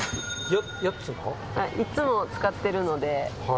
いっつも使ってるので。